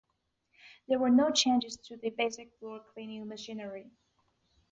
There were no changes to the basic floor cleaning machinery.